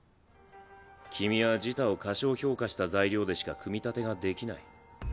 君は自他を過小評価した材料でしか組み立てができない。